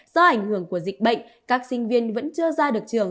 do ảnh hưởng của dịch bệnh các sinh viên vẫn chưa ra được trường